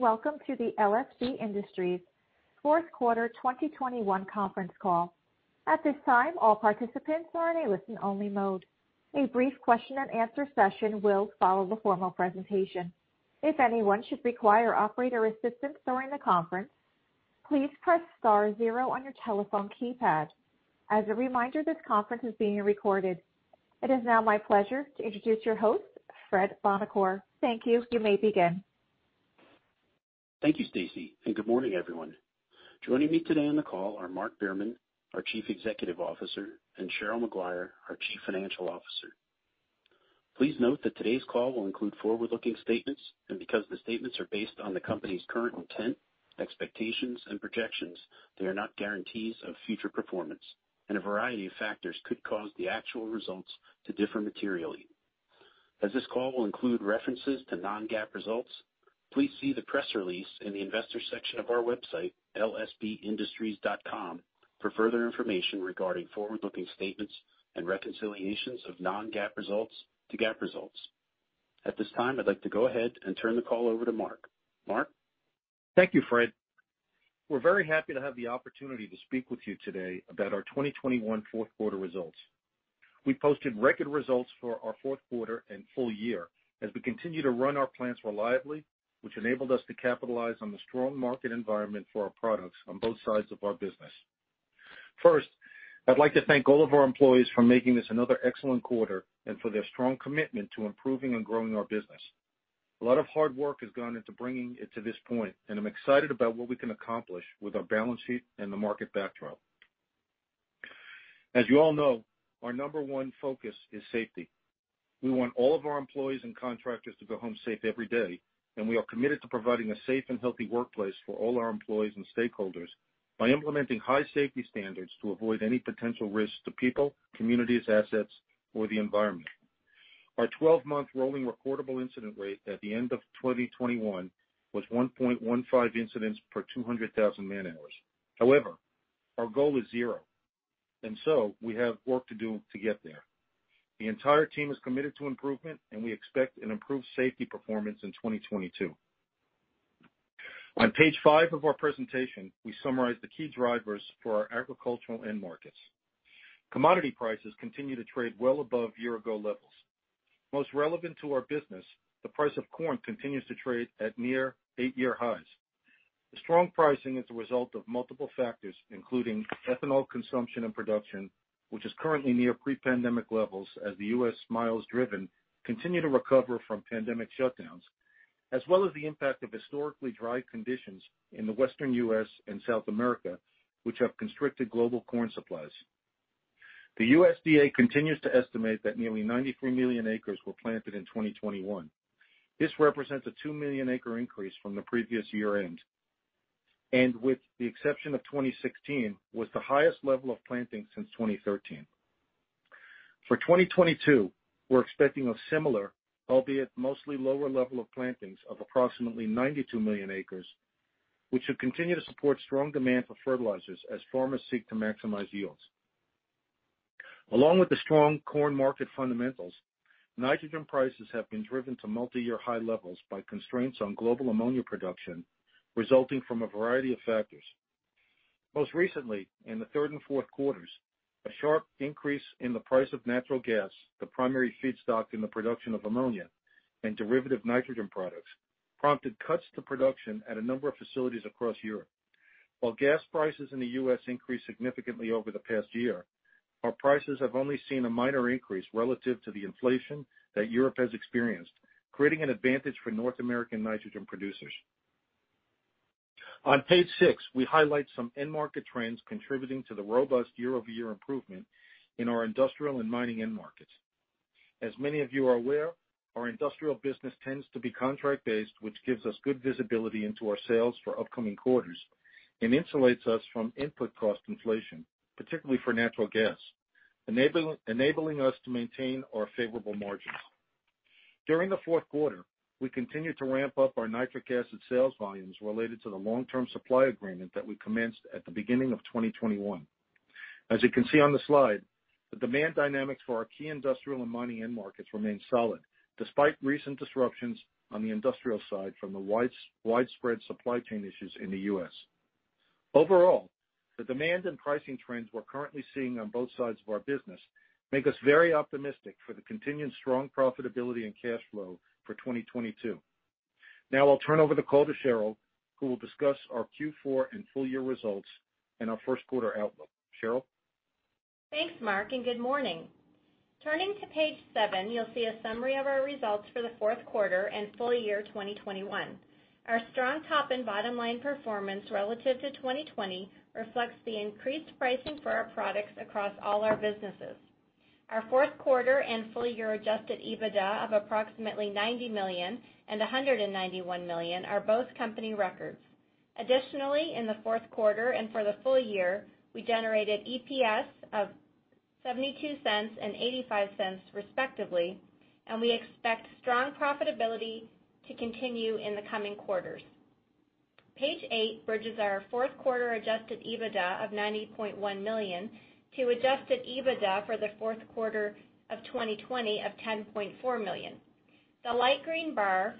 Welcome to the LSB Industries fourth quarter 2021 conference call. At this time, all participants are in a listen-only mode. A brief question and answer session will follow the formal presentation. If anyone should require operator assistance during the conference, please press star zero on your telephone keypad. As a reminder, this conference is being recorded. It is now my pleasure to introduce your host, Fred Buonocore. Thank you. You may begin. Thank you, Stacy, and good morning, everyone. Joining me today on the call are Mark Behrman, our Chief Executive Officer, and Cheryl Maguire, our Chief Financial Officer. Please note that today's call will include forward-looking statements, and because the statements are based on the company's current intent, expectations, and projections, they are not guarantees of future performance, and a variety of factors could cause the actual results to differ materially. As this call will include references to non-GAAP results, please see the press release in the investor section of our website, lsbindustries.com, for further information regarding forward-looking statements and reconciliations of non-GAAP results to GAAP results. At this time, I'd like to go ahead and turn the call over to Mark. Mark? Thank you, Fred. We're very happy to have the opportunity to speak with you today about our 2021 fourth quarter results. We posted record results for our fourth quarter and full year as we continue to run our plants reliably, which enabled us to capitalize on the strong market environment for our products on both sides of our business. First, I'd like to thank all of our employees for making this another excellent quarter and for their strong commitment to improving and growing our business. A lot of hard work has gone into bringing it to this point, and I'm excited about what we can accomplish with our balance sheet and the market backdrop. As you all know, our number one focus is safety. We want all of our employees and contractors to go home safe every day, and we are committed to providing a safe and healthy workplace for all our employees and stakeholders by implementing high safety standards to avoid any potential risks to people, communities, assets, or the environment. Our 12-month rolling recordable incident rate at the end of 2021 was 1.15 incidents per 200,000 man-hours. However, our goal is zero, and so we have work to do to get there. The entire team is committed to improvement, and we expect an improved safety performance in 2022. On page 5 of our presentation, we summarize the key drivers for our agricultural end markets. Commodity prices continue to trade well above year-ago levels. Most relevant to our business, the price of corn continues to trade at near 8-year highs. The strong pricing is a result of multiple factors, including ethanol consumption and production, which is currently near pre-pandemic levels as the US miles driven continue to recover from pandemic shutdowns, as well as the impact of historically dry conditions in the Western US and South America, which have constricted global corn supplies. The USDA continues to estimate that nearly 93 million acres were planted in 2021. This represents a 2 million-acre increase from the previous year-end, and with the exception of 2016, was the highest level of planting since 2013. For 2022, we're expecting a similar, albeit mostly lower level of plantings of approximately 92 million acres, which should continue to support strong demand for fertilizers as farmers seek to maximize yields. Along with the strong corn market fundamentals, nitrogen prices have been driven to multiyear high levels by constraints on global ammonia production resulting from a variety of factors. Most recently, in the third and fourth quarters, a sharp increase in the price of natural gas, the primary feedstock in the production of ammonia and derivative nitrogen products prompted cuts to production at a number of facilities across Europe. While gas prices in the US. increased significantly over the past year, our prices have only seen a minor increase relative to the inflation that Europe has experienced, creating an advantage for North American nitrogen producers. On page six, we highlight some end market trends contributing to the robust year-over-year improvement in our industrial and mining end markets. As many of you are aware, our industrial business tends to be contract-based, which gives us good visibility into our sales for upcoming quarters and insulates us from input cost inflation, particularly for natural gas, enabling us to maintain our favorable margins. During the fourth quarter, we continued to ramp up our nitric acid sales volumes related to the long-term supply agreement that we commenced at the beginning of 2021. As you can see on the slide, the demand dynamics for our key industrial and mining end markets remain solid despite recent disruptions on the industrial side from the widespread supply chain issues in the US. Overall, the demand and pricing trends we're currently seeing on both sides of our business make us very optimistic for the continued strong profitability and cash flow for 2022. Now I'll turn over the call to Cheryl, who will discuss our Q4 and full year results and our first quarter outlook. Cheryl? Thanks, Mark, and good morning. Turning to page seven, you'll see a summary of our results for the fourth quarter and full year 2021. Our strong top and bottom line performance relative to 2020 reflects the increased pricing for our products across all our businesses. Our fourth quarter and full year adjusted EBITDA of approximately $90 million and $191 million are both company records. Additionally, in the fourth quarter and for the full year, we generated EPS of $0.72 and $0.85, respectively, and we expect strong profitability to continue in the coming quarters. Page eight bridges our fourth quarter adjusted EBITDA of $9.1 million to adjusted EBITDA for the fourth quarter of 2020 of $10.4 million. The light green bar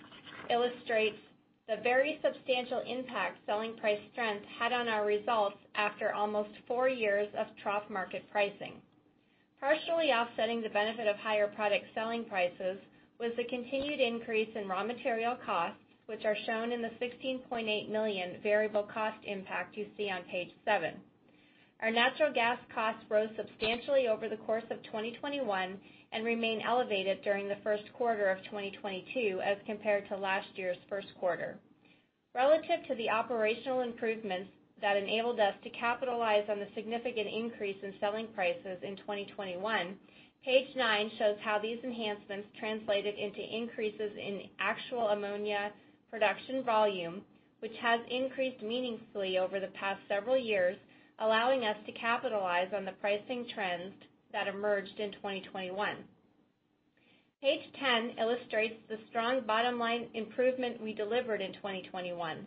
illustrates the very substantial impact selling price trends had on our results after almost four years of trough market pricing. Partially offsetting the benefit of higher product selling prices was the continued increase in raw material costs, which are shown in the $16.8 million variable cost impact you see on page 7. Our natural gas costs rose substantially over the course of 2021 and remain elevated during the first quarter of 2022 as compared to last year's first quarter. Relative to the operational improvements that enabled us to capitalize on the significant increase in selling prices in 2021, page 9 shows how these enhancements translated into increases in actual ammonia production volume, which has increased meaningfully over the past several years, allowing us to capitalize on the pricing trends that emerged in 2021. Page ten illustrates the strong bottom line improvement we delivered in 2021.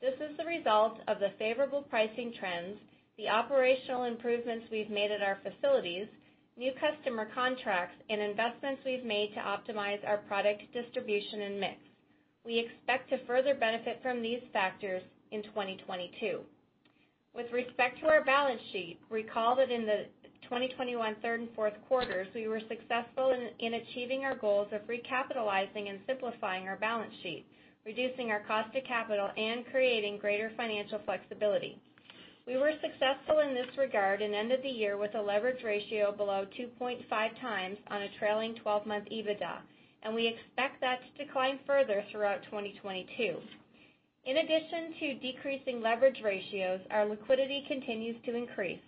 This is the result of the favorable pricing trends, the operational improvements we've made at our facilities, new customer contracts, and investments we've made to optimize our product distribution and mix. We expect to further benefit from these factors in 2022. With respect to our balance sheet, recall that in the 2021 third and fourth quarters, we were successful in achieving our goals of recapitalizing and simplifying our balance sheet, reducing our cost of capital, and creating greater financial flexibility. We were successful in this regard and ended the year with a leverage ratio below 2.5 times on a trailing 12-month EBITDA, and we expect that to decline further throughout 2022. In addition to decreasing leverage ratios, our liquidity continues to increase.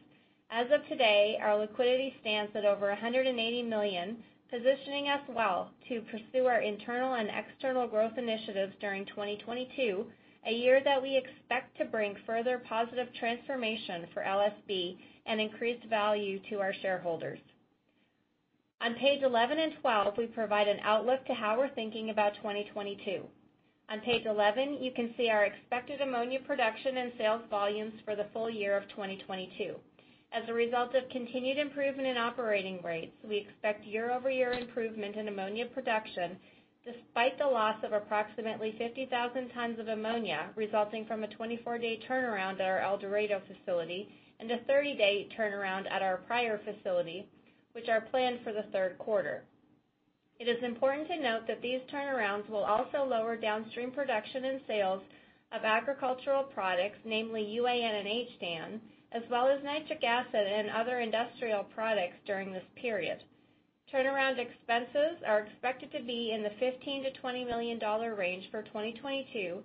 As of today, our liquidity stands at over $180 million, positioning us well to pursue our internal and external growth initiatives during 2022, a year that we expect to bring further positive transformation for LSB and increased value to our shareholders. On page 11 and 12, we provide an outlook to how we're thinking about 2022. On page 11, you can see our expected ammonia production and sales volumes for the full year of 2022. As a result of continued improvement in operating rates, we expect year-over-year improvement in ammonia production despite the loss of approximately 50,000 tons of ammonia resulting from a 24-day turnaround at our El Dorado facility and a 30-day turnaround at our Pryor facility, which are planned for the third quarter. It is important to note that these turnarounds will also lower downstream production and sales of agricultural products, namely UAN and HDAN, as well as nitric acid and other industrial products during this period. Turnaround expenses are expected to be in the $15 million-$20 million range for 2022.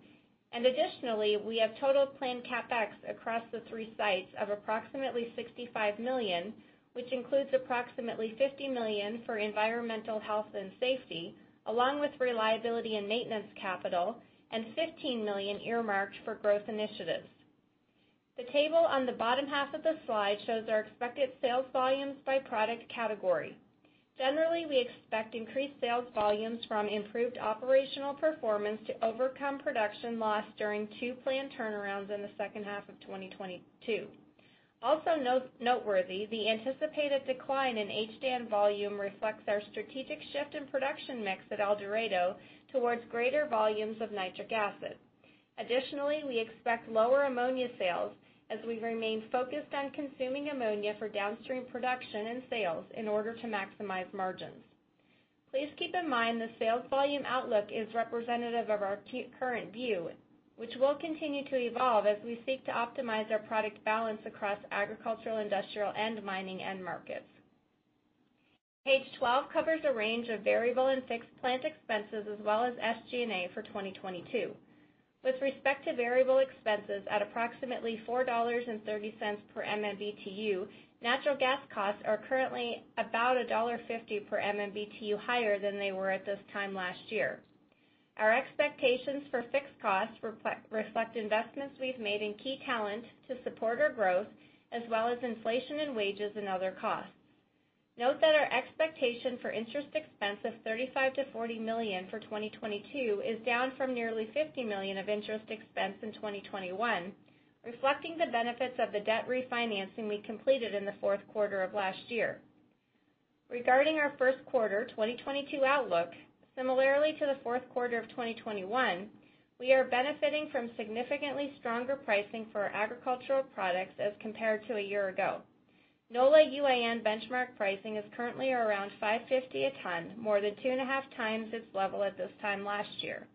Additionally, we have total planned CapEx across the three sites of approximately $65 million, which includes approximately $50 million for environmental health and safety, along with reliability and maintenance capital, and $15 million earmarked for growth initiatives. The table on the bottom half of the slide shows our expected sales volumes by product category. Generally, we expect increased sales volumes from improved operational performance to overcome production loss during 2 planned turnarounds in the second half of 2022. Noteworthy, the anticipated decline in HDAN volume reflects our strategic shift in production mix at El Dorado towards greater volumes of nitric acid. Additionally, we expect lower ammonia sales as we remain focused on consuming ammonia for downstream production and sales in order to maximize margins. Please keep in mind the sales volume outlook is representative of our current view, which will continue to evolve as we seek to optimize our product balance across agricultural, industrial, and mining end markets. Page 12 covers a range of variable and fixed plant expenses as well as SG&A for 2022. With respect to variable expenses at approximately $4.30 per MMBtu, natural gas costs are currently about $1.50 per MMBtu higher than they were at this time last year. Our expectations for fixed costs reflect investments we've made in key talent to support our growth as well as inflation in wages and other costs. Note that our expectation for interest expense of $35 million-$40 million for 2022 is down from nearly $50 million of interest expense in 2021, reflecting the benefits of the debt refinancing we completed in the fourth quarter of last year. Regarding our first quarter 2022 outlook, similarly to the fourth quarter of 2021, we are benefiting from significantly stronger pricing for our agricultural products as compared to a year ago. NOLA UAN benchmark pricing is currently around 550 a ton, more than 2.5 times its level at this time last year.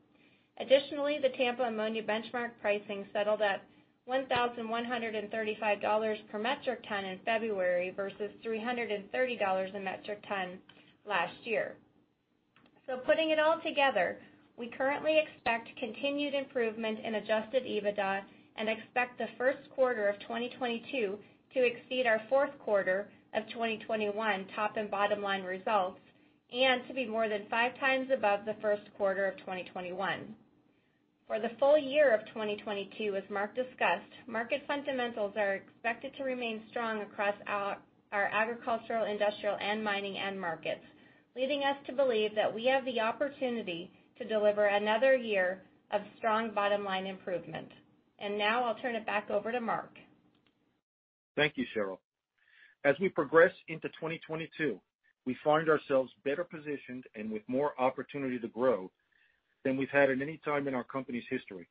Additionally, the Tampa ammonia benchmark pricing settled at $1,135 per metric ton in February versus $330 a metric ton last year. Putting it all together, we currently expect continued improvement in adjusted EBITDA and expect the first quarter of 2022 to exceed our fourth quarter of 2021 top and bottom line results and to be more than 5 times above the first quarter of 2021. For the full year of 2022, as Mark discussed, market fundamentals are expected to remain strong across our agricultural, industrial, and mining end markets, leading us to believe that we have the opportunity to deliver another year of strong bottom line improvement. Now I'll turn it back over to Mark. Thank you, Cheryl. As we progress into 2022, we find ourselves better positioned and with more opportunity to grow than we've had at any time in our company's history.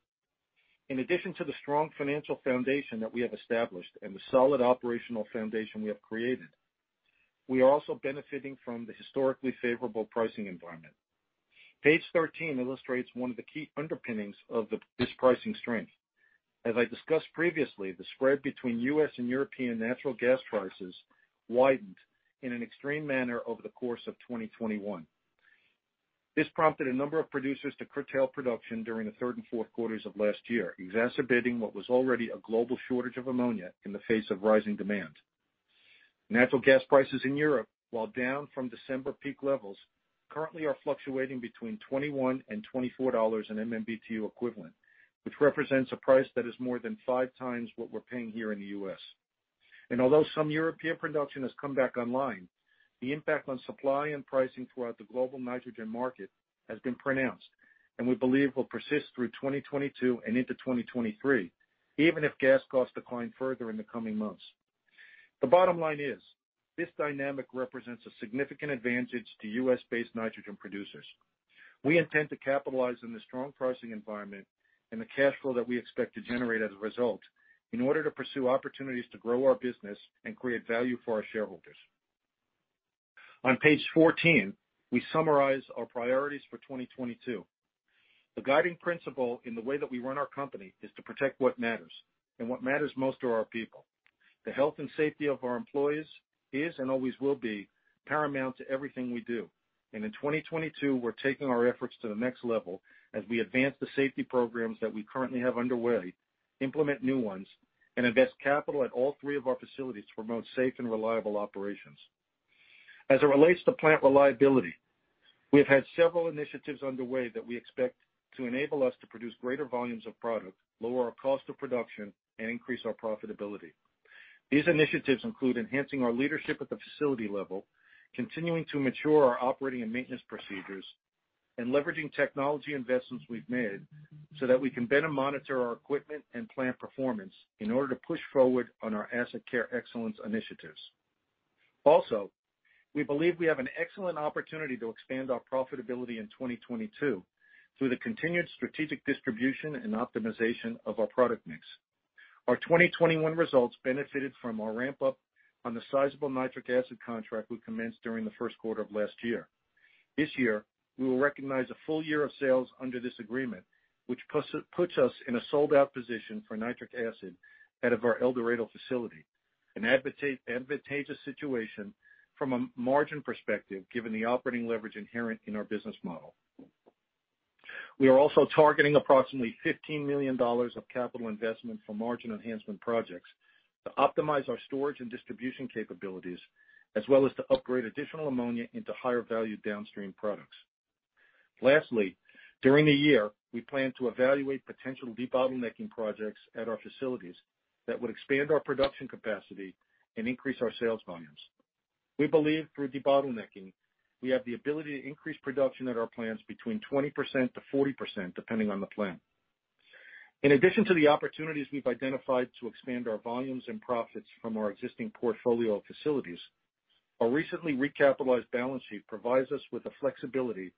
In addition to the strong financial foundation that we have established and the solid operational foundation we have created, we are also benefiting from the historically favorable pricing environment. Page 13 illustrates one of the key underpinnings of this pricing strength. As I discussed previously, the spread between US and European natural gas prices widened in an extreme manner over the course of 2021. This prompted a number of producers to curtail production during the third and fourth quarters of last year, exacerbating what was already a global shortage of ammonia in the face of rising demand. Natural gas prices in Europe, while down from December peak levels, currently are fluctuating between $21 and $24 in MMBtu equivalent, which represents a price that is more than five times what we're paying here in the US. Although some European production has come back online, the impact on supply and pricing throughout the global nitrogen market has been pronounced, and we believe will persist through 2022 and into 2023, even if gas costs decline further in the coming months. The bottom line is, this dynamic represents a significant advantage to US-based nitrogen producers. We intend to capitalize on the strong pricing environment and the cash flow that we expect to generate as a result in order to pursue opportunities to grow our business and create value for our shareholders. On page 14, we summarize our priorities for 2022. The guiding principle in the way that we run our company is to protect what matters, and what matters most are our people. The health and safety of our employees is and always will be paramount to everything we do. In 2022, we're taking our efforts to the next level as we advance the safety programs that we currently have underway, implement new ones, and invest capital at all three of our facilities to promote safe and reliable operations. As it relates to plant reliability, we have had several initiatives underway that we expect to enable us to produce greater volumes of product, lower our cost of production, and increase our profitability. These initiatives include enhancing our leadership at the facility level, continuing to mature our operating and maintenance procedures, and leveraging technology investments we've made so that we can better monitor our equipment and plant performance in order to push forward on our asset care excellence initiatives. Also, we believe we have an excellent opportunity to expand our profitability in 2022 through the continued strategic distribution and optimization of our product mix. Our 2021 results benefited from our ramp up on the sizable nitric acid contract we commenced during the first quarter of last year. This year, we will recognize a full year of sales under this agreement, which puts us in a sold-out position for nitric acid out of our El Dorado facility, an advantageous situation from a margin perspective, given the operating leverage inherent in our business model. We are also targeting approximately $15 million of capital investment for margin enhancement projects to optimize our storage and distribution capabilities, as well as to upgrade additional ammonia into higher value downstream products. Lastly, during the year, we plan to evaluate potential debottlenecking projects at our facilities that would expand our production capacity and increase our sales volumes. We believe through debottlenecking, we have the ability to increase production at our plants between 20%-40%, depending on the plant. In addition to the opportunities we've identified to expand our volumes and profits from our existing portfolio of facilities, our recently recapitalized balance sheet provides us with the flexibility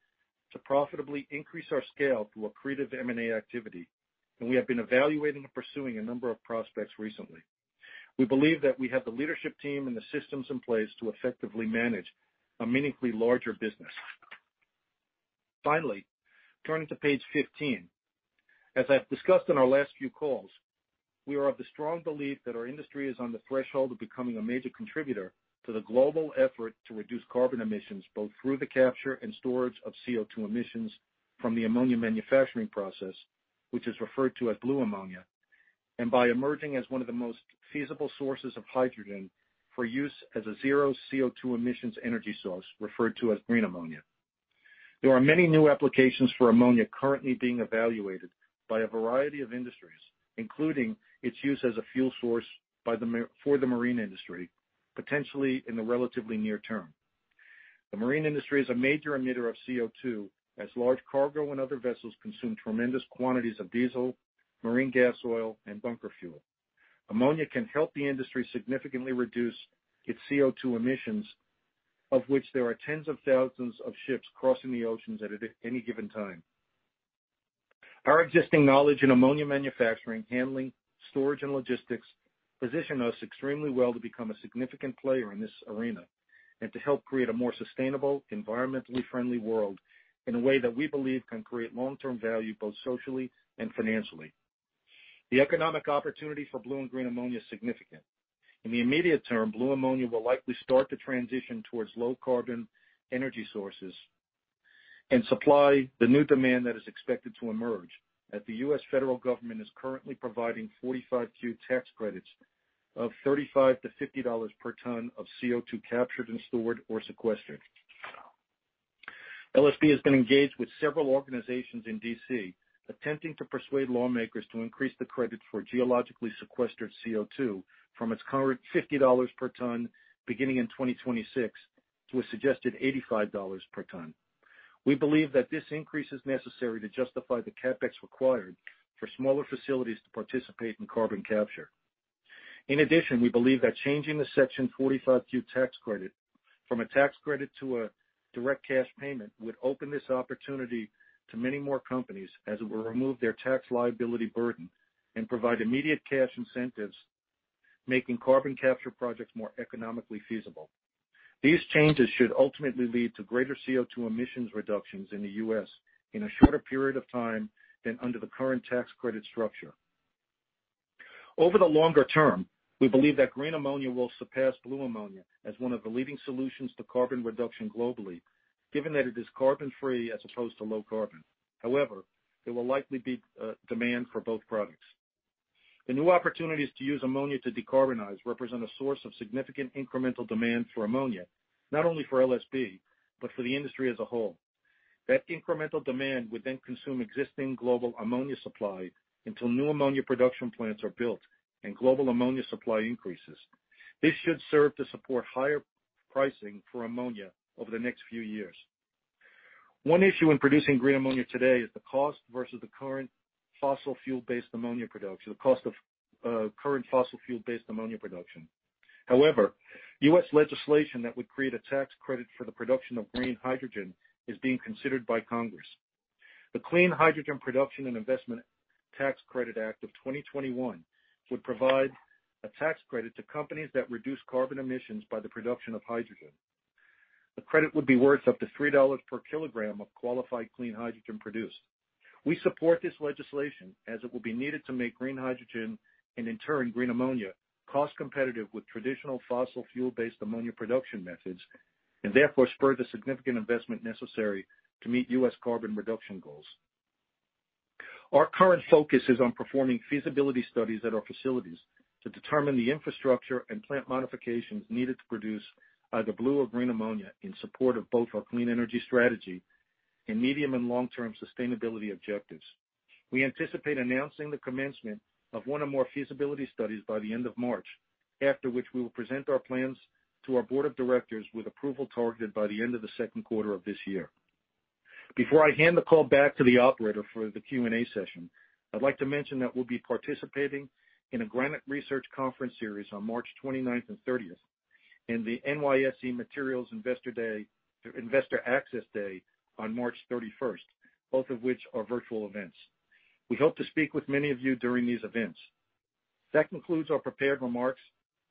to profitably increase our scale through accretive M&A activity, and we have been evaluating and pursuing a number of prospects recently. We believe that we have the leadership team and the systems in place to effectively manage a meaningfully larger business. Finally, turning to page 15. As I've discussed on our last few calls, we are of the strong belief that our industry is on the threshold of becoming a major contributor to the global effort to reduce carbon emissions, both through the capture and storage of CO2 emissions from the ammonia manufacturing process, which is referred to as blue ammonia, and by emerging as one of the most feasible sources of hydrogen for use as a 0 CO2 emissions energy source, referred to as green ammonia. There are many new applications for ammonia currently being evaluated by a variety of industries, including its use as a fuel source for the marine industry, potentially in the relatively near term. The marine industry is a major emitter of CO2 as large cargo and other vessels consume tremendous quantities of diesel, marine gas oil, and bunker fuel. Ammonia can help the industry significantly reduce its CO2 emissions, of which there are tens of thousands of ships crossing the oceans at any given time. Our existing knowledge in ammonia manufacturing, handling, storage, and logistics position us extremely well to become a significant player in this arena, and to help create a more sustainable, environmentally friendly world in a way that we believe can create long-term value, both socially and financially. The economic opportunity for blue and green ammonia is significant. In the immediate term, blue ammonia will likely start to transition towards low carbon energy sources and supply the new demand that is expected to emerge, as the US. federal government is currently providing 45Q tax credits of $35-$50 per ton of CO2 captured and stored or sequestered. LSB has been engaged with several organizations in D.C., attempting to persuade lawmakers to increase the credit for geologically sequestered CO2 from its current $50 per ton beginning in 2026 to a suggested $85 per ton. We believe that this increase is necessary to justify the CapEx required for smaller facilities to participate in carbon capture. In addition, we believe that changing the Section 45Q tax credit from a tax credit to a direct cash payment would open this opportunity to many more companies as it will remove their tax liability burden and provide immediate cash incentives, making carbon capture projects more economically feasible. These changes should ultimately lead to greater CO2 emissions reductions in the US. in a shorter period of time than under the current tax credit structure. Over the longer term, we believe that green ammonia will surpass blue ammonia as one of the leading solutions to carbon reduction globally, given that it is carbon-free as opposed to low carbon. However, there will likely be demand for both products. The new opportunities to use ammonia to decarbonize represent a source of significant incremental demand for ammonia, not only for LSB, but for the industry as a whole. That incremental demand would then consume existing global ammonia supply until new ammonia production plants are built and global ammonia supply increases. This should serve to support higher pricing for ammonia over the next few years. One issue in producing green ammonia today is the cost versus the cost of current fossil fuel-based ammonia production. However, US. legislation that would create a tax credit for the production of green hydrogen is being considered by Congress. The Clean Hydrogen Production and Investment Tax Credit Act of 2021 would provide a tax credit to companies that reduce carbon emissions by the production of hydrogen. The credit would be worth up to $3 per kilogram of qualified clean hydrogen produced. We support this legislation, as it will be needed to make green hydrogen, and in turn, green ammonia, cost competitive with traditional fossil fuel-based ammonia production methods, and therefore spur the significant investment necessary to meet US. carbon reduction goals. Our current focus is on performing feasibility studies at our facilities to determine the infrastructure and plant modifications needed to produce either blue or green ammonia in support of both our clean energy strategy and medium and long-term sustainability objectives. We anticipate announcing the commencement of one or more feasibility studies by the end of March, after which we will present our plans to our board of directors with approval targeted by the end of the second quarter of this year. Before I hand the call back to the operator for the Q&A session, I'd like to mention that we'll be participating in a Granite Research conference series on March 29th and 30th, and the NYSE Basic Materials Investor Access Day on March 31st, both of which are virtual events. We hope to speak with many of you during these events. That concludes our prepared remarks,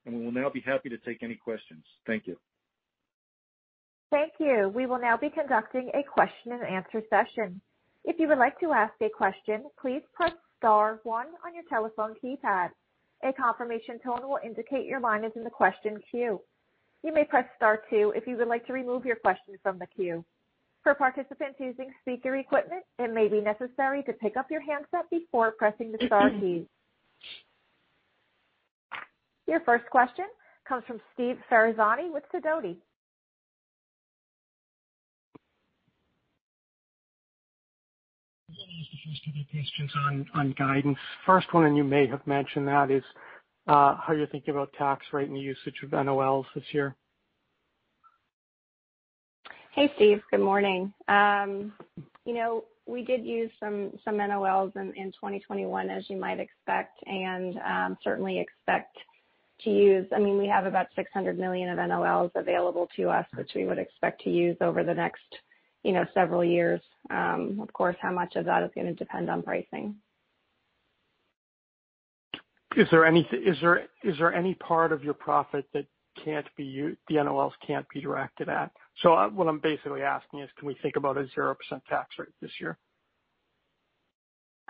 and we will now be happy to take any questions. Thank you. Thank you. We will now be conducting a question and answer session. If you would like to ask a question, please press star one on your telephone keypad. A confirmation tone will indicate your line is in the question queue. You may press star two if you would like to remove your question from the queue. For participants using speaker equipment, it may be necessary to pick up your handset before pressing the star key. Your first question comes from Steve Ferazani with Sidoti. I'm gonna ask the first of the questions on guidance. First one, and you may have mentioned that, is how you're thinking about tax rate and the usage of NOLs this year. Hey, Steve. Good morning. You know, we did use some NOLs in 2021, as you might expect, and certainly expect to use. I mean, we have about $600 million of NOLs available to us, which we would expect to use over the next, you know, several years. Of course, how much of that is gonna depend on pricing. Is there any part of your profit that the NOLs can't be directed at? What I'm basically asking is, can we think about a zero% tax rate this year?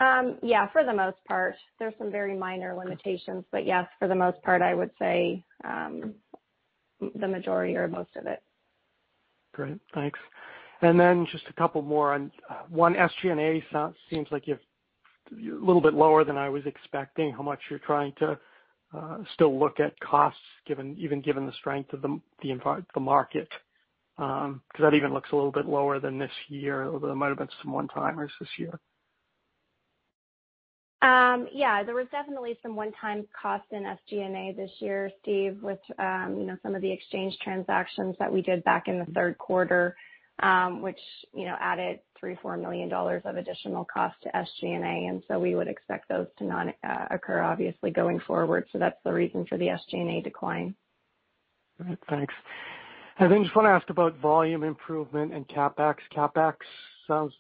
Yeah, for the most part. There's some very minor limitations, but yes, for the most part, I would say, the majority or most of it. Great. Thanks. Just a couple more on one SG&A. Seems like you're a little bit lower than I was expecting. How much you're trying to still look at costs given, even given the strength of the market environment, 'cause that even looks a little bit lower than this year, although there might have been some one-timers this year. Yeah. There was definitely some one-time costs in SG&A this year, Steve, with you know, some of the exchange transactions that we did back in the third quarter, which, you know, added $3 million-$4 million of additional cost to SG&A. We would expect those to not occur, obviously, going forward. That's the reason for the SG&A decline. All right. Thanks. Just wanna ask about volume improvement and CapEx. CapEx sounds,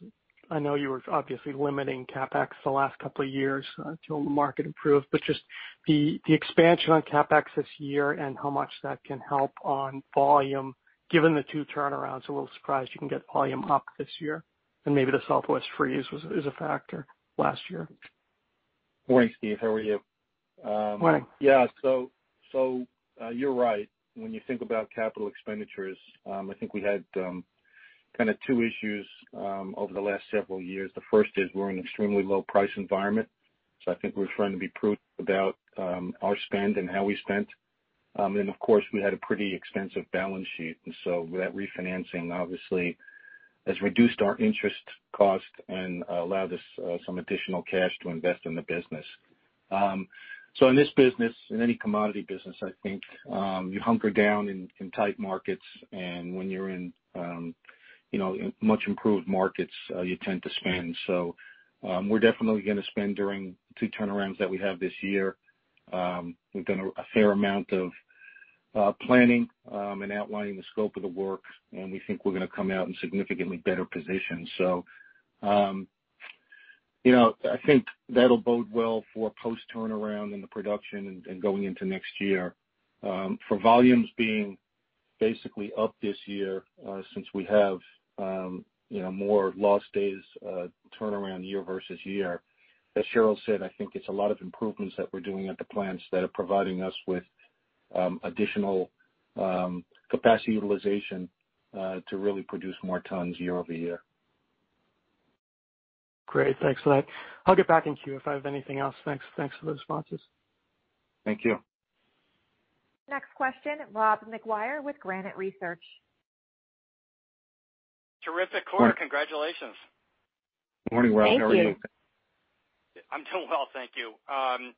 I know you were obviously limiting CapEx the last couple of years till the market improved, but just the expansion on CapEx this year and how much that can help on volume, given the 2 turnarounds. A little surprised you can get volume up this year. Maybe the Southwest freeze was a factor last year. Morning, Steve. How are you? Morning. You're right. When you think about capital expenditures, I think we had kinda two issues over the last several years. The first is we're in an extremely low price environment, so I think we're trying to be prudent about our spend and how we spent. And of course, we had a pretty expensive balance sheet. That refinancing obviously has reduced our interest cost and allowed us some additional cash to invest in the business. In this business, in any commodity business, I think you hunker down in tight markets, and when you're in, you know, much improved markets, you tend to spend. We're definitely gonna spend during two turnarounds that we have this year. We've done a fair amount of planning and outlining the scope of the work, and we think we're gonna come out in significantly better position. You know, I think that'll bode well for post-turnaround in the production and going into next year. For volumes being basically up this year, since we have you know, more lost days of turnaround year versus year. As Cheryl said, I think it's a lot of improvements that we're doing at the plants that are providing us with additional capacity utilization to really produce more tons year-over-year. Great. Thanks for that. I'll get back in queue if I have anything else. Thanks, thanks for those responses. Thank you. Next question, Rob McGuire with Granite Research. Terrific quarter. Morning. Congratulations. Morning, Rob. Thank you. How are you? I'm doing well, thank you. Can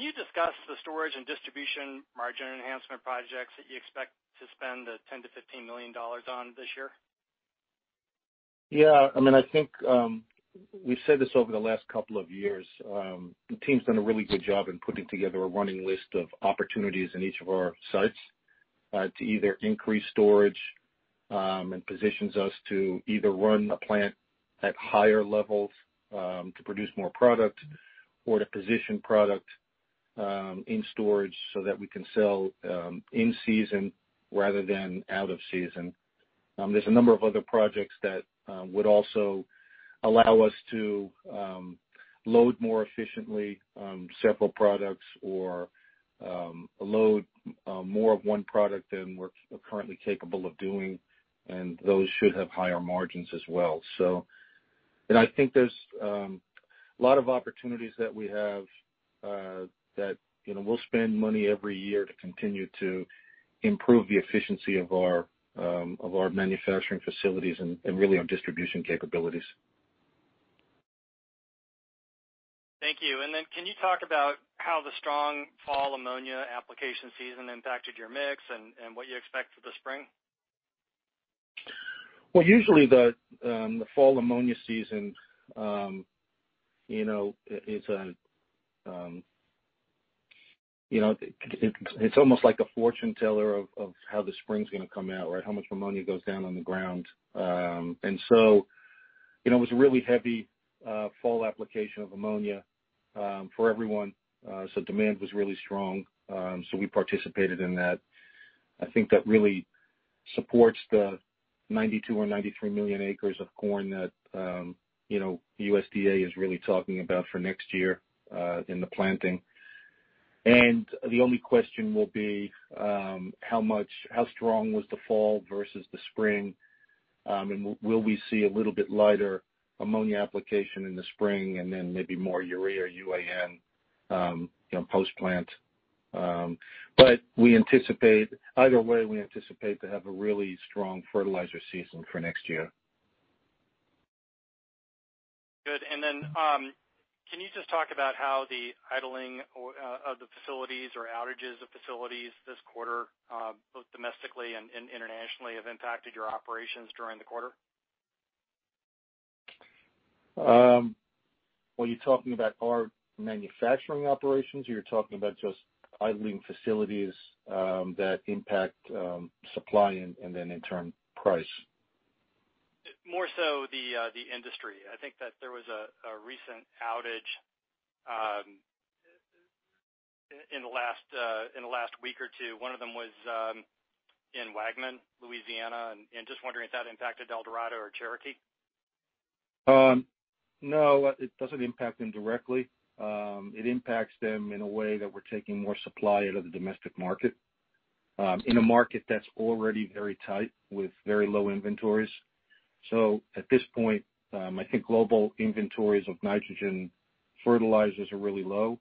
you discuss the storage and distribution margin enhancement projects that you expect to spend $10 million-$15 million on this year? Yeah. I mean, I think we've said this over the last couple of years. The team's done a really good job in putting together a running list of opportunities in each of our sites to either increase storage and positions us to either run a plant at higher levels to produce more product or to position product in storage so that we can sell in season rather than out of season. There's a number of other projects that would also allow us to load more efficiently several products or load more of one product than we're currently capable of doing, and those should have higher margins as well. I think there's a lot of opportunities that we have that you know we'll spend money every year to continue to improve the efficiency of our manufacturing facilities and really on distribution capabilities. Thank you. Can you talk about how the strong fall ammonia application season impacted your mix and what you expect for the spring? Well, usually the fall ammonia season, you know, it's almost like a fortune teller of how the spring's gonna come out, right? How much ammonia goes down on the ground. You know, it was a really heavy fall application of ammonia for everyone. Demand was really strong. We participated in that. I think that really supports the 92 or 93 million acres of corn that, you know, USDA is really talking about for next year in the planting. The only question will be how strong was the fall versus the spring? Will we see a little bit lighter ammonia application in the spring and then maybe more urea UAN, you know, post-plant. We anticipate either way to have a really strong fertilizer season for next year. Good. Then, can you just talk about how the idling or outages of facilities this quarter, both domestically and internationally, have impacted your operations during the quarter? Were you talking about our manufacturing operations or you're talking about just idling facilities that impact supply and then in turn price? More so the industry. I think that there was a recent outage in the last week or two. One of them was in Waggaman, Louisiana, and just wondering if that impacted El Dorado or Cherokee. No, it doesn't impact them directly. It impacts them in a way that we're taking more supply out of the domestic market, in a market that's already very tight with very low inventories. At this point, I think global inventories of nitrogen fertilizers are really low.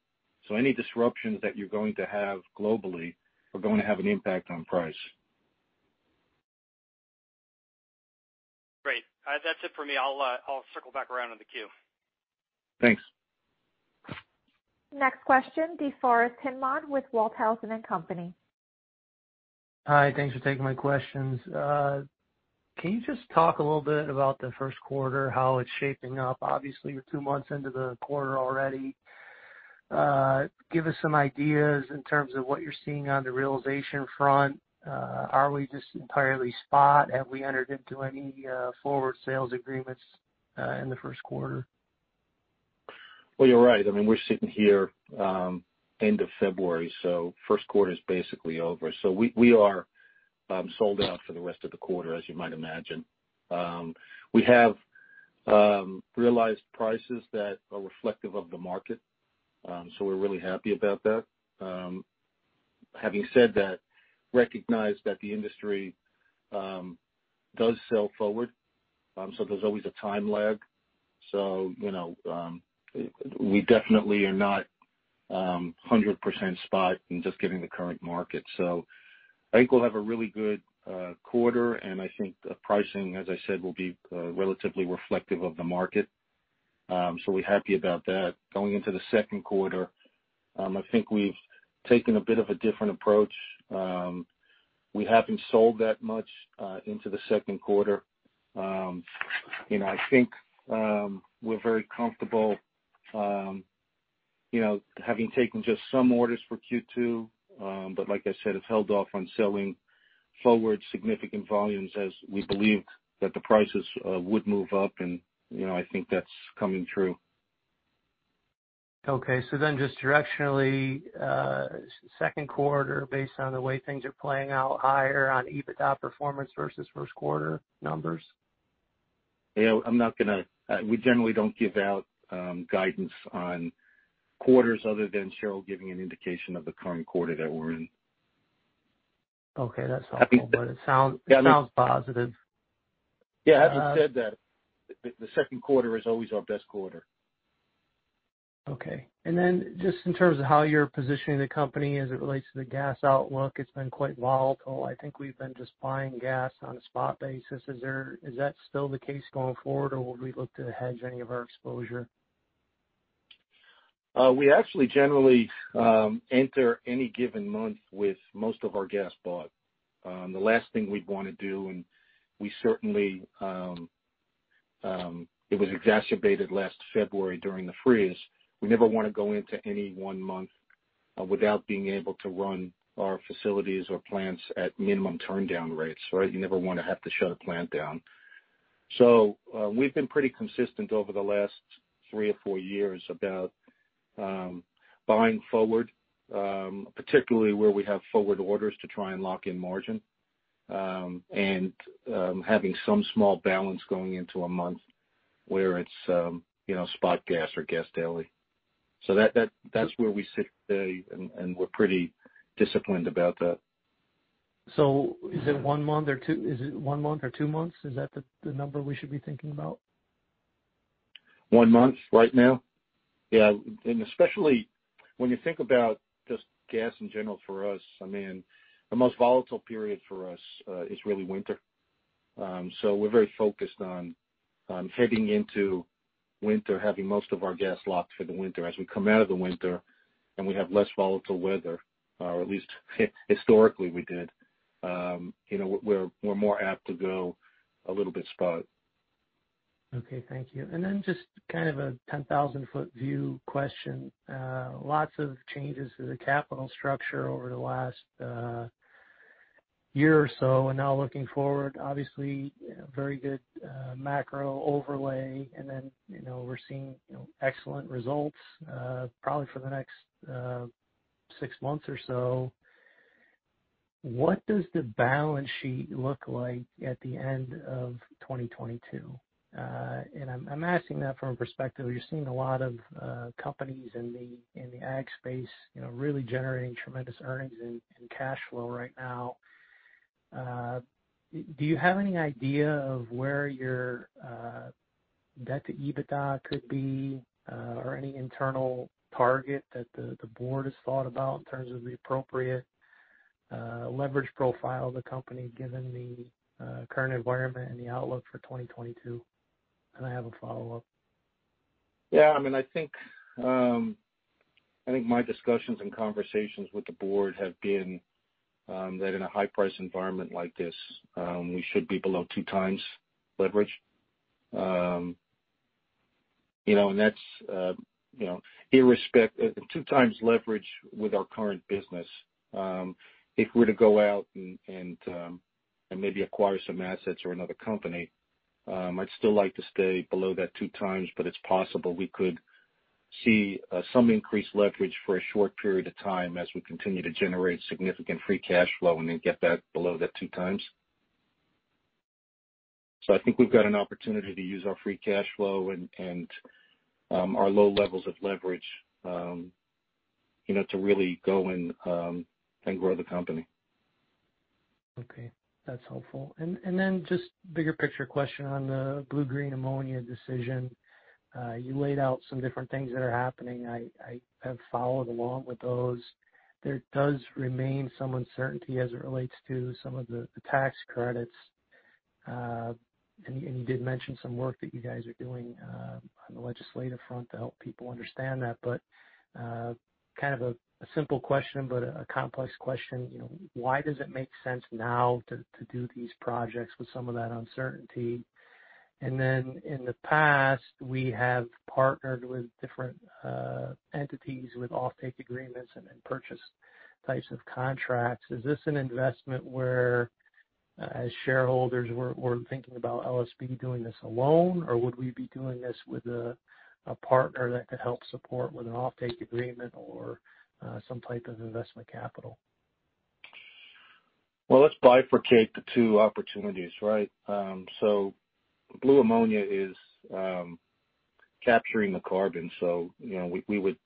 Any disruptions that you're going to have globally are going to have an impact on price. Great. That's it for me. I'll circle back around on the queue. Thanks. Next question, DeForest Hinman with Walthausen & Co. Hi. Thanks for taking my questions. Can you just talk a little bit about the first quarter, how it's shaping up? Obviously, you're two months into the quarter already. Give us some ideas in terms of what you're seeing on the realization front. Are we just entirely spot? Have we entered into any forward sales agreements in the first quarter? Well, you're right. I mean, we're sitting here, end of February, so first quarter is basically over. We are sold out for the rest of the quarter, as you might imagine. We have realized prices that are reflective of the market, so we're really happy about that. Having said that, recognize that the industry does sell forward, so there's always a time lag. You know, we definitely are not 100% spot and just given the current market. I think we'll have a really good quarter, and I think the pricing, as I said, will be relatively reflective of the market. We're happy about that. Going into the second quarter, I think we've taken a bit of a different approach. We haven't sold that much into the second quarter. You know, I think we're very comfortable, you know, having taken just some orders for Q2. Like I said, have held off on selling forward significant volumes as we believed that the prices would move up and, you know, I think that's coming true. Okay. Just directionally, second quarter, based on the way things are playing out higher on EBITDA performance versus first quarter numbers? We generally don't give out guidance on quarters other than Cheryl giving an indication of the current quarter that we're in. Okay. That's helpful. I think that- It sounds. Yeah, I mean. It sounds positive. Yeah. Um- Having said that, the second quarter is always our best quarter. Okay. Just in terms of how you're positioning the company as it relates to the gas outlook, it's been quite volatile. I think we've been just buying gas on a spot basis. Is that still the case going forward, or will we look to hedge any of our exposure? We actually generally enter any given month with most of our gas bought. The last thing we'd wanna do. It was exacerbated last February during the freeze. We never wanna go into any one month without being able to run our facilities or plants at minimum turnaround rates, right? You never wanna have to shut a plant down. We've been pretty consistent over the last three or four years about buying forward, particularly where we have forward orders to try and lock in margin, having some small balance going into a month where it's, you know, spot gas or gas daily. That's where we sit today and we're pretty disciplined about that. Is it 1 month or 2? Is it 1 month or 2 months? Is that the number we should be thinking about? One month right now. Yeah, especially when you think about just gas in general for us, I mean, the most volatile period for us is really winter. We're very focused on heading into winter having most of our gas locked for the winter. As we come out of the winter and we have less volatile weather, or at least historically we did, you know, we're more apt to go a little bit spot. Okay. Thank you. Just kind of a 10,000-foot view question. Lots of changes to the capital structure over the last year or so, and now looking forward, obviously a very good macro overlay. You know, we're seeing excellent results probably for the next six months or so. What does the balance sheet look like at the end of 2022? I'm asking that from a perspective. You're seeing a lot of companies in the ag space, you know, really generating tremendous earnings and cash flow right now. Do you have any idea of where your debt to EBITDA could be, or any internal target that the board has thought about in terms of the appropriate leverage profile of the company given the current environment and the outlook for 2022? I have a follow-up. Yeah. I mean, I think my discussions and conversations with the board have been that in a high price environment like this, we should be below 2x leverage. You know, that's you know, 2x leverage with our current business. If we're to go out and maybe acquire some assets or another company, I'd still like to stay below that 2x, but it's possible we could see some increased leverage for a short period of time as we continue to generate significant free cash flow and then get that below that 2x. I think we've got an opportunity to use our free cash flow and our low levels of leverage, you know, to really go and grow the company. Okay. That's helpful. Just bigger picture question on the blue green ammonia decision. You laid out some different things that are happening. I have followed along with those. There does remain some uncertainty as it relates to some of the tax credits. You did mention some work that you guys are doing on the legislative front to help people understand that. Kind of a simple question, but a complex question, you know, why does it make sense now to do these projects with some of that uncertainty? In the past, we have partnered with different entities with offtake agreements and then purchase types of contracts. Is this an investment where, as shareholders, we're thinking about LSB doing this alone, or would we be doing this with a partner that could help support with an offtake agreement or, some type of investment capital? Well, let's bifurcate the two opportunities, right? Blue ammonia is capturing the carbon. You know, we would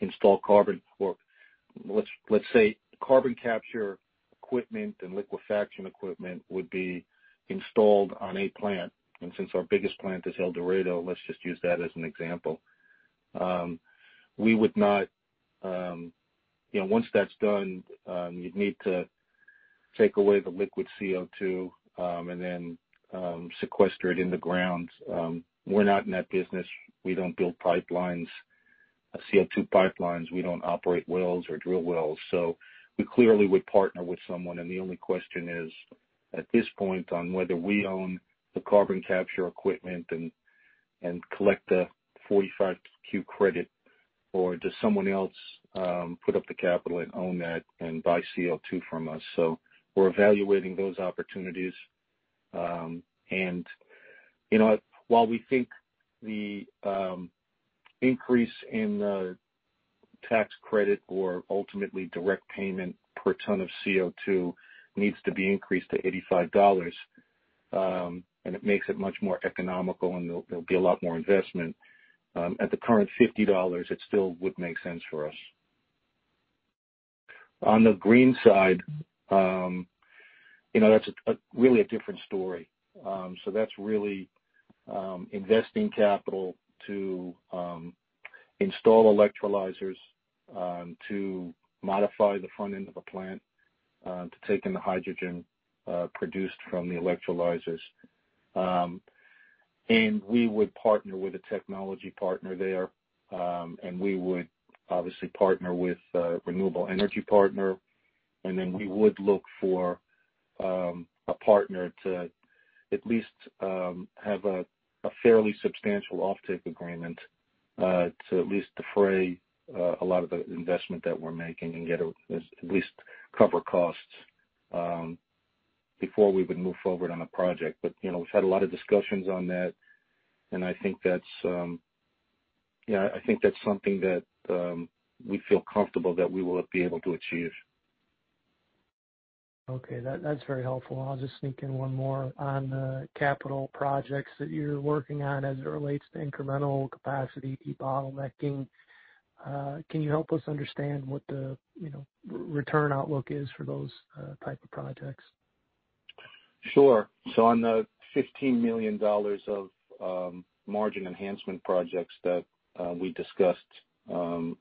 install carbon capture equipment and liquefaction equipment would be installed on a plant. Since our biggest plant is El Dorado, let's just use that as an example. We would not, you know, once that's done, you'd need to take away the liquid CO2 and then sequester it in the ground. We're not in that business. We don't build pipelines, CO2 pipelines. We don't operate wells or drill wells. We clearly would partner with someone. The only question is, at this point, on whether we own the carbon capture equipment and collect the 45Q credit or does someone else put up the capital and own that and buy CO2 from us. We're evaluating those opportunities. You know, while we think the increase in the tax credit or ultimately direct payment per ton of CO2 needs to be increased to $85, and it makes it much more economical and there'll be a lot more investment, at the current $50, it still would make sense for us. On the green side, you know, that's really a different story. That's really investing capital to install electrolyzers to modify the front end of a plant to take in the hydrogen produced from the electrolyzers. We would partner with a technology partner there, and we would obviously partner with a renewable energy partner. We would look for a partner to at least have a fairly substantial offtake agreement to at least defray a lot of the investment that we're making and get at least cover costs before we would move forward on a project. You know, we've had a lot of discussions on that, and I think that's yeah, I think that's something that we feel comfortable that we will be able to achieve. Okay. That's very helpful. I'll just sneak in one more on the capital projects that you're working on as it relates to incremental capacity debottlenecking. Can you help us understand what the, you know, return outlook is for those type of projects? Sure. On the $15 million of margin enhancement projects that we discussed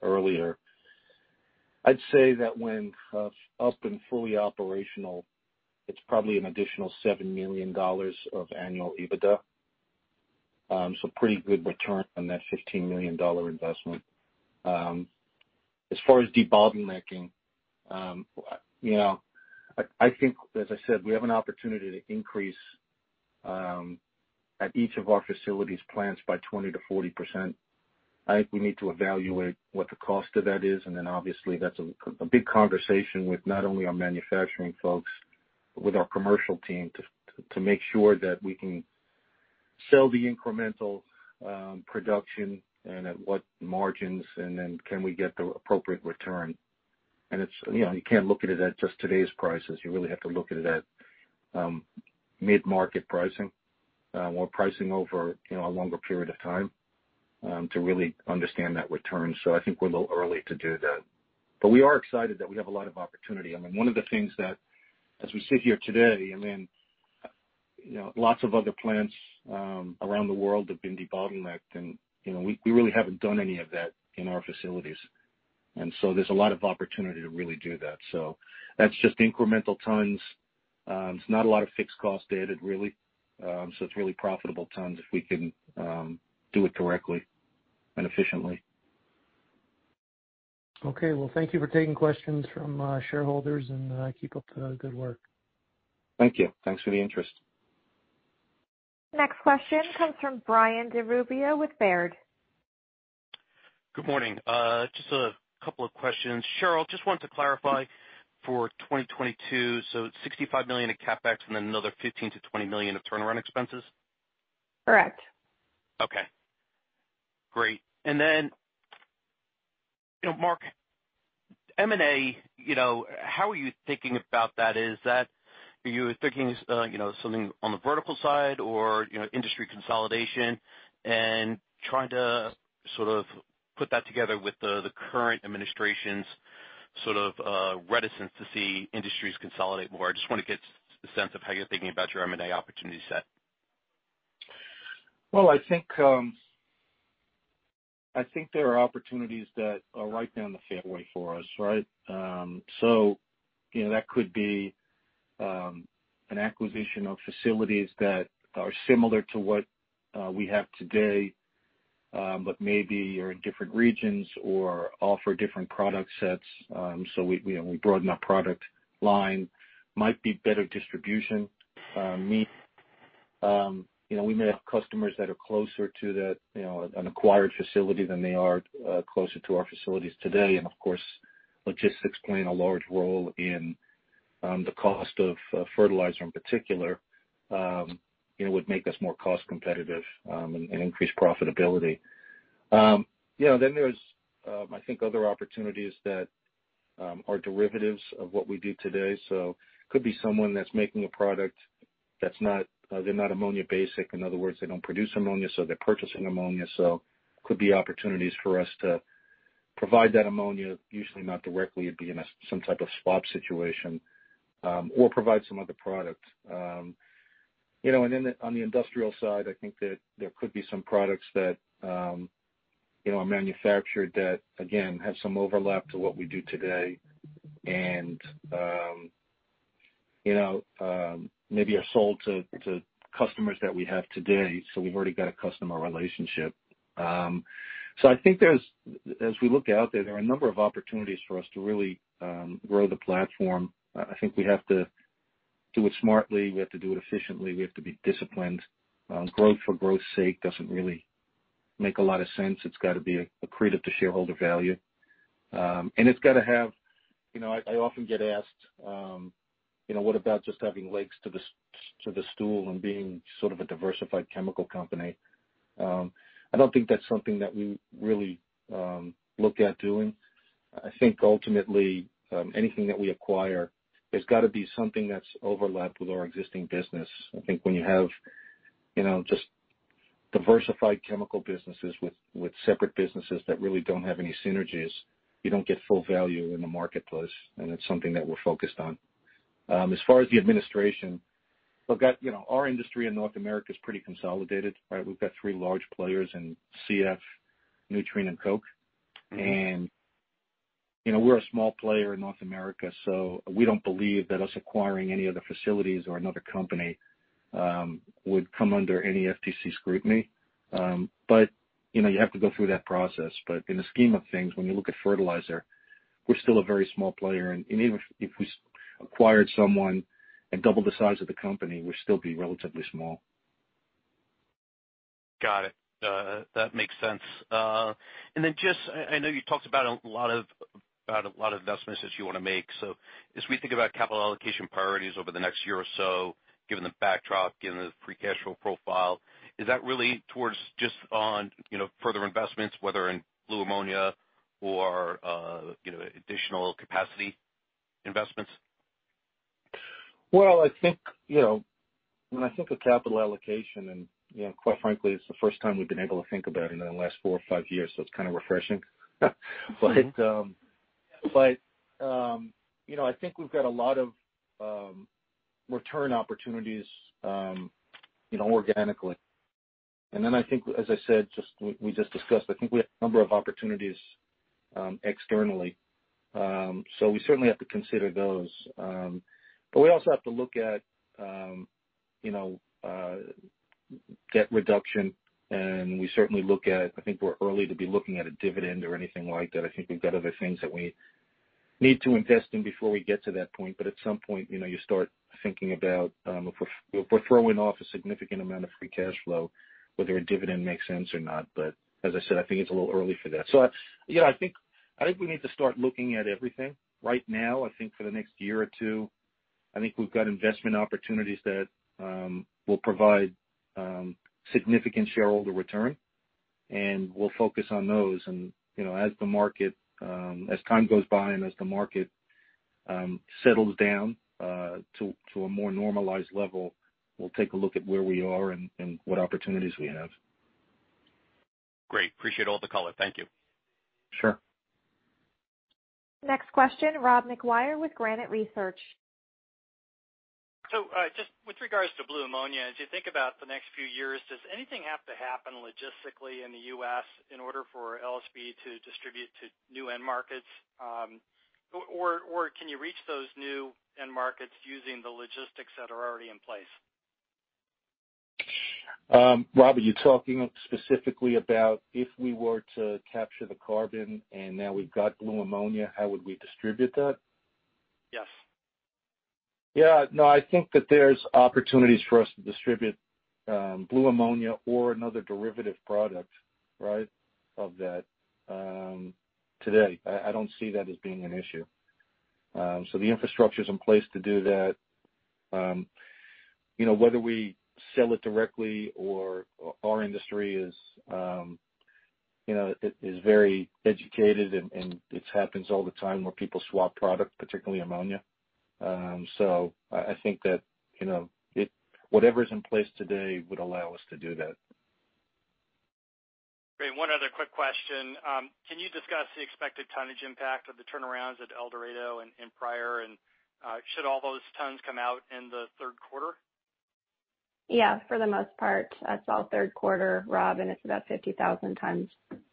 earlier, I'd say that when up and fully operational, it's probably an additional $7 million of annual EBITDA. Pretty good return on that $15 million investment. As far as debottlenecking, you know, I think, as I said, we have an opportunity to increase at each of our facilities plants by 20%-40%. I think we need to evaluate what the cost of that is. Then obviously that's a big conversation with not only our manufacturing folks, with our commercial team to make sure that we can sell the incremental production and at what margins, and then can we get the appropriate return. It's, you know, you can't look at it at just today's prices. You really have to look at it at mid-market pricing or pricing over, you know, a longer period of time to really understand that return. I think we're a little early to do that. We are excited that we have a lot of opportunity. I mean, one of the things that as we sit here today, I mean, you know, lots of other plants around the world have been debottlenecked and, you know, we really haven't done any of that in our facilities. There's a lot of opportunity to really do that. That's just incremental tons. It's not a lot of fixed cost added really. It's really profitable tons if we can do it correctly and efficiently. Okay. Well, thank you for taking questions from shareholders, and keep up the good work. Thank you. Thanks for the interest. Next question comes from Brian DiRubbio with Baird. Good morning. Just a couple of questions. Cheryl, just wanted to clarify for 2022, so it's $65 million in CapEx and another $15 million-$20 million of turnaround expenses. Correct. Okay, great. You know, Mark, M&A, you know, how are you thinking about that? Are you thinking, you know, something on the vertical side or, you know, industry consolidation? Trying to sort of put that together with the current administration's sort of reticence to see industries consolidate more. I just wanna get a sense of how you're thinking about your M&A opportunity set. Well, I think there are opportunities that are right down the fairway for us, right? You know, that could be an acquisition of facilities that are similar to what we have today, but maybe are in different regions or offer different product sets, so we you know broaden our product line. Might be better distribution means. You know, we may have customers that are closer to that you know an acquired facility than they are closer to our facilities today. Of course, logistics play a large role in the cost of fertilizer in particular you know would make us more cost competitive and increase profitability. You know, then there's, I think, other opportunities that are derivatives of what we do today. Could be someone that's making a product. That's not—they're not ammonia-based. In other words, they don't produce ammonia, so they're purchasing ammonia. Could be opportunities for us to provide that ammonia. Usually not directly. It'd be in a some type of swap situation, or provide some other product. You know, and then on the industrial side, I think that there could be some products that, you know, are manufactured that, again, have some overlap to what we do today. You know, maybe are sold to customers that we have today, so we've already got a customer relationship. I think, as we look out there are a number of opportunities for us to really grow the platform. I think we have to do it smartly. We have to do it efficiently. We have to be disciplined. Growth for growth's sake doesn't really make a lot of sense. It's gotta be accretive to shareholder value. You know, I often get asked, you know, what about just having legs to the stool and being sort of a diversified chemical company? I don't think that's something that we really look at doing. I think ultimately, anything that we acquire has gotta be something that's overlapped with our existing business. I think when you have, you know, just diversified chemical businesses with separate businesses that really don't have any synergies, you don't get full value in the marketplace, and it's something that we're focused on. As far as the administration, we've got, you know, our industry in North America is pretty consolidated, right? We've got three large players in CF, Nutrien, and Koch. You know, we're a small player in North America, so we don't believe that us acquiring any other facilities or another company would come under any FTC scrutiny. You know, you have to go through that process. In the scheme of things, when you look at fertilizer, we're still a very small player. Even if we acquired someone and double the size of the company, we'd still be relatively small. Got it. That makes sense. Just, I know you talked about a lot of investments that you wanna make. As we think about capital allocation priorities over the next year or so, given the backdrop, given the free cash flow profile, is that really towards just on, you know, further investments, whether in blue ammonia or, you know, additional capacity investments? Well, I think, you know, when I think of capital allocation and, you know, quite frankly, it's the first time we've been able to think about it in the last four or five years, so it's kinda refreshing. I think we've got a lot of return opportunities, you know, organically. I think, as I said, we just discussed, I think we have a number of opportunities externally. We certainly have to consider those. We also have to look at debt reduction. I think we're early to be looking at a dividend or anything like that. I think we've got other things that we need to invest in before we get to that point. At some point, you know, you start thinking about, if we're throwing off a significant amount of free cash flow, whether a dividend makes sense or not. As I said, I think it's a little early for that. I, yeah, I think we need to start looking at everything. Right now, I think for the next year or two, I think we've got investment opportunities that will provide significant shareholder return, and we'll focus on those. You know, as time goes by and as the market settles down to a more normalized level, we'll take a look at where we are and what opportunities we have. Great. Appreciate all the color. Thank you. Sure. Next question, Rob McGuire with Granite Research. Just with regards to blue ammonia, as you think about the next few years, does anything have to happen logistically in the US. in order for LSB to distribute to new end markets, or can you reach those new end markets using the logistics that are already in place? Rob, are you talking specifically about if we were to capture the carbon and now we've got blue ammonia, how would we distribute that? Yes. Yeah, no, I think that there's opportunities for us to distribute blue ammonia or another derivative product, right, of that, today. I don't see that as being an issue. The infrastructure's in place to do that. You know, whether we sell it directly or our industry is very educated and it happens all the time where people swap product, particularly ammonia. I think that, you know, it, whatever's in place today would allow us to do that. Great. One other quick question. Can you discuss the expected tonnage impact of the turnarounds at El Dorado and Pryor, and should all those tons come out in the third quarter? Yeah, for the most part, that's all third quarter, Rob, and it's about 50,000 tons. That's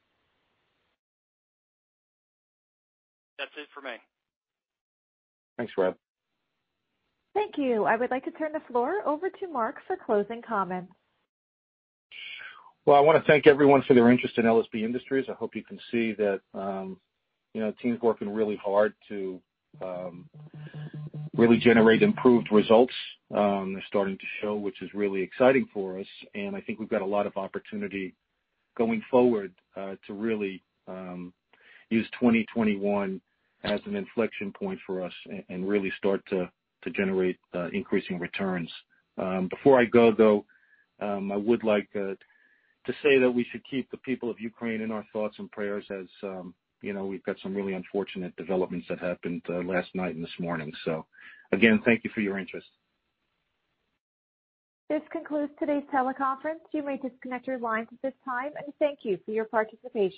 it for me. Thanks, Rob. Thank you. I would like to turn the floor over to Mark for closing comments. Well, I wanna thank everyone for their interest in LSB Industries. I hope you can see that, you know, team's working really hard to really generate improved results that are starting to show, which is really exciting for us. I think we've got a lot of opportunity going forward to really use 2021 as an inflection point for us and really start to generate increasing returns. Before I go, though, I would like to say that we should keep the people of Ukraine in our thoughts and prayers as, you know, we've got some really unfortunate developments that happened last night and this morning. Again, thank you for your interest. This concludes today's teleconference. You may disconnect your lines at this time, and thank you for your participation.